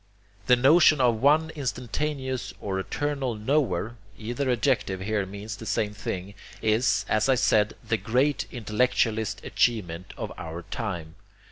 The notion of one instantaneous or eternal Knower either adjective here means the same thing is, as I said, the great intellectualist achievement of our time.